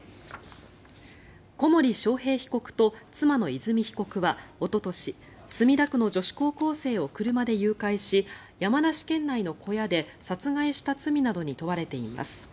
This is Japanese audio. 小森章平被告と妻の和美被告はおととし墨田区の女子高校生を車で誘拐し山梨県内の小屋で殺害した罪などに問われています。